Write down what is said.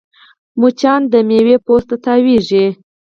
مچان د میوې پوست ته تاوېږي